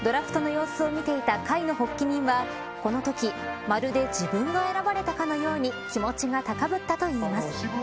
ドラフトの様子を見ていた会の発起人はこのときまるで自分が選ばれたかのように気持ちが高ぶったといいます。